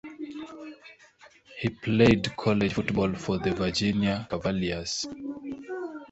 He played college football for the Virginia Cavaliers.